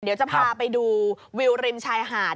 เดี๋ยวจะพาไปดูวิวริมชายหาด